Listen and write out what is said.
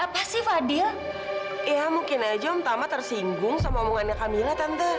mas contoh hari ini step truth kali